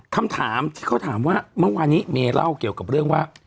คำถามที่เขาถามว่าเมื่อวานนี้เมย์เล่าเกี่ยวกับเรื่องว่า